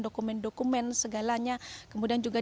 dokumen dokumen segalanya kemudian juga